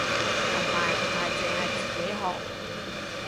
同埋唔係淨係自己學